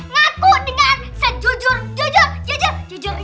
ngaku dengan sejujur jujur jujur